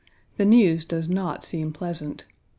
The news does not seem pleasant.